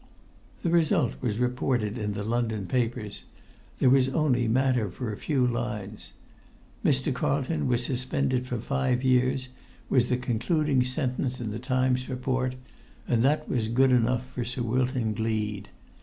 The result was reported in the London papers; there was only matter for a few lines. "Mr. Carlton was suspended for five years" was the concluding sentence in The Times report; and that was good enough for Sir Wilton Gleed.